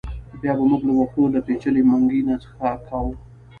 بیا به مو له وښو کې له پېچلي منګي نه څښاک کاوه.